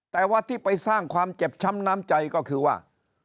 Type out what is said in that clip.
แต่ว่าที่ไปสร้างความเจ็บช้ำน้ำใจก็คือว่า